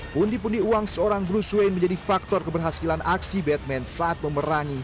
pundi pundi uang seorang bruce wayne menjadi faktor keberhasilan aksi batman saat memerangi